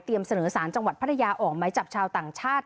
เสนอสารจังหวัดพัทยาออกไม้จับชาวต่างชาติ